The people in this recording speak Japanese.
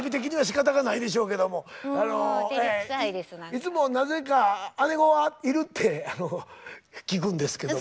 いつもなぜか「姉御はいる？」って聞くんですけど。